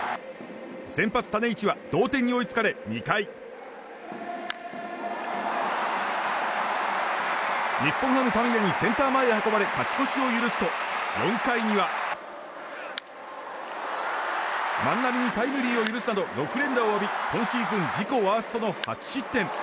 先発、種市は同点に追いつかれ２回センター前へ運ばれ勝ち越しを許すと４回には万波にタイムリーを許すなど６連打を浴び、今シーズン自己最多の８失点。